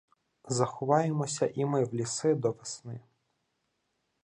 Заховаємося і ми в ліси до весни.